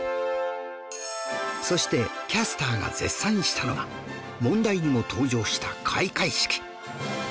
そしてキャスターが絶賛したのが問題にも登場した開会式